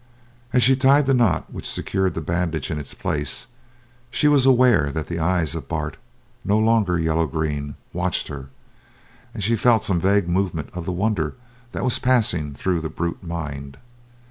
As she tied the knot which secured the bandage in its place she was aware that the eyes of Bart, no longer yellow green, watched her; and she felt some vague movement of the wonder that was passing through the brute mind.